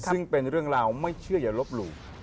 ซึ่งเป็นเรื่องราวไม่เชื่ออย่าลบหลู่